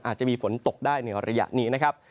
อาจจะมีฝนตกได้ในระยะนี้นะครับ